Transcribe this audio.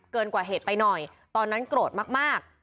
กว่าเหตุไปหน่อยตอนนั้นโกรธมาก